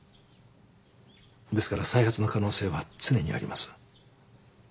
ですから再発の可能性は常にあります。